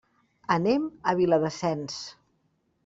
Anem a Viladasens.